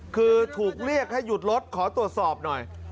คือถูกเรียกให้หยุดรถขอตรวจสอบหน่อย